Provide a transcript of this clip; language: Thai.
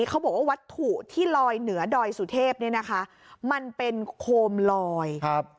เขาบอกว่าวัตถุที่ลอยเหนือดอยสุเทพเนี่ยนะคะมันเป็นโคมลอยครับ